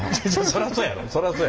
そらそやわ。